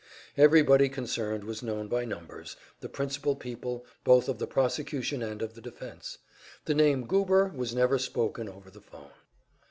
Everybody concerned was known by numbers, the principal people, both of the prosecution and of the defense; the name "Goober" was never spoken over the phone.